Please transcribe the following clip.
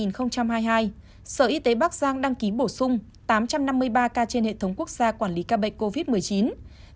sau khi rà soát bổ sung đầy bệnh sở y tế bắc giang đăng ký bổ sung tám trăm năm mươi ba ca trên hệ thống quốc gia quản lý ca bệnh covid một mươi chín sau khi rà soát bổ sung đầy bệnh